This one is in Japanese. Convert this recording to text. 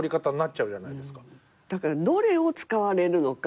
だからどれを使われるのか。